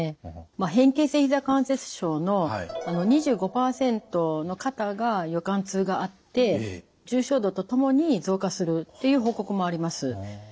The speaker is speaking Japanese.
変形性ひざ関節症の２５％の方が夜間痛があって重症度とともに増加するっていう報告もあります。